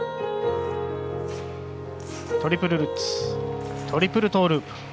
トリプルルッツトリプルトーループ。